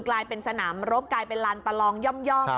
กลายเป็นสนามรบกลายเป็นลานประลองย่อม